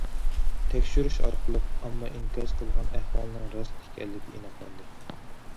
تەكشۈرۈش ئارقىلىق، ئامما ئىنكاس قىلغان ئەھۋالنىڭ راست ئىكەنلىكى ئېنىقلاندى.